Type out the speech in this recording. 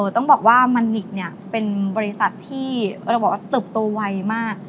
ต้องบอกว่ามันนิกส์เป็นบริษัทที่เติบโตวัยมาก